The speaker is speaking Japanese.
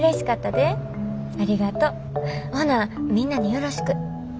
ほなみんなによろしく。